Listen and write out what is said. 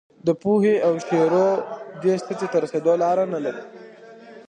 د پوهې او شعور دې سطحې ته رسېدو لاره نه لري.